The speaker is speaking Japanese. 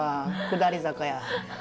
下り坂や。